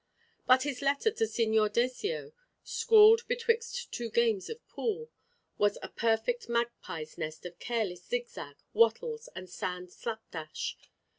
But his letter to Signor Dezio, scrawled betwixt two games of pool, was a perfect magpie's nest of careless zigzag, wattles, and sand slap dash.